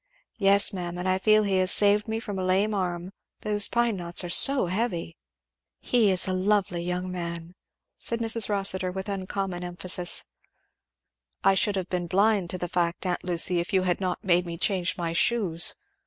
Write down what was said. "Yes ma'am, and I feel he has saved me from a lame arm those pine knots are so heavy." "He is a lovely young man!" said Mrs. Rossitur with uncommon emphasis. "I should have been blind to the fact, aunt Lucy, if you had not made me change my shoes.